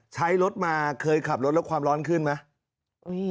ใช้รถมาเคยขับรถแล้วความร้อนขึ้นไหม